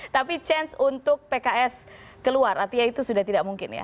tapi chance untuk pks keluar artinya itu sudah tidak mungkin ya